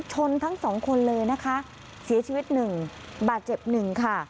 ทั้งสองคนเลยนะคะเสียชีวิตหนึ่งบาดเจ็บหนึ่งค่ะ